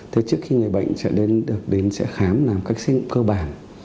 thế trước khi người bệnh sẽ đến được đến sẽ khám làm cách sinh mục cơ bản